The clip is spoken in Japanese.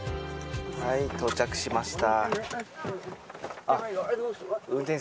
はい、到着しました。